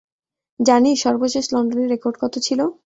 জানিস, সর্বশেষ লন্ডনের রেকর্ড কত ছিল?